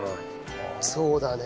そうだね。